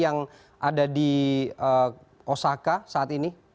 yang ada di osaka saat ini